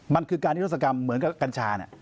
มันคือการนิทศกรรมเหมือนกับกัญชา